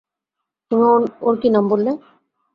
তুমি ওর কী নাম বললে?